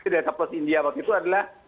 data plus india waktu itu adalah